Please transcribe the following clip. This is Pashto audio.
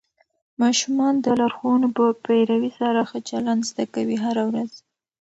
ماشومان د لارښوونو په پیروي سره ښه چلند زده کوي هره ورځ.